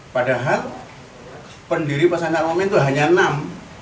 padahal pendiri pesantren al mu'min itu hanya enam